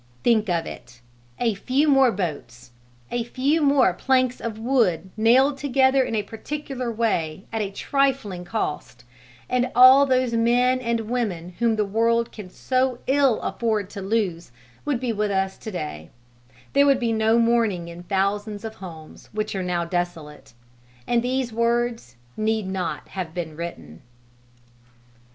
Think of it! a few more boats, a few more planks of wood nailed together in a particular way at a trifling cost, and all those men and women whom the world can so ill afford to lose would be with us to day, there would be no mourning in thousands of homes which now are desolate, and these words need not have been written.